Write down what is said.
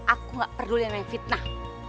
aku gak peduli nanya fitnah